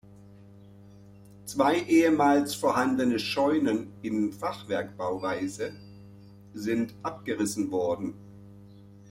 Zwei ehemals vorhandene Scheunen in Fachwerkbauweise sind abgerissen worden.